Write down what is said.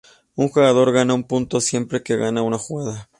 Un jugador gana un punto siempre que gana una jugada.